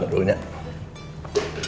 tadi begitu gue nyampe sana